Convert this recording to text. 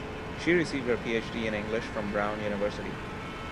She received her Ph.D. in English from Brown University.